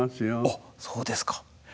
あっそうですか。